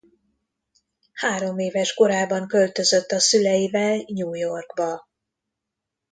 Hároméves korában költözött a szüleivel New Yorkba.